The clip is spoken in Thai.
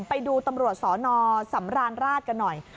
ไปดูตำรวจสนสำราญราชกันหน่อย